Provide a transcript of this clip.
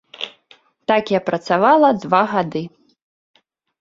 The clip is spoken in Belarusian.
Так я працавала два гады.